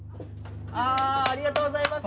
ありがとうございます。